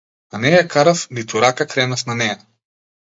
А не ја карав ниту рака кренав на неа.